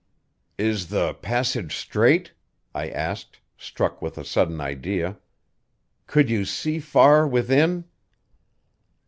"Is the passage straight?" I asked, struck with a sudden idea. "Could you see far within?"